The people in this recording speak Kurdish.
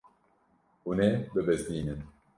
Hûn ê bibizdînin.